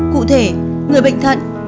cụ thể người bệnh thận